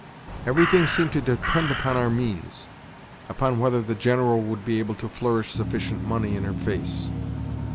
Everything seemed to depend upon our means—upon whether the General would be able to flourish sufficient money in her face.